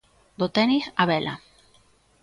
Do tenis á vela.